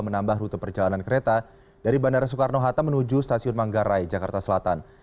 menambah rute perjalanan kereta dari bandara soekarno hatta menuju stasiun manggarai jakarta selatan